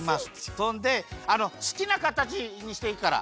そんですきなかたちにしていいから。